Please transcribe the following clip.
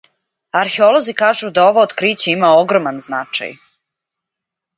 Археолози кажу да ово откриће има огроман значај.